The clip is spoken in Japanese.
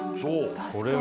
確かに。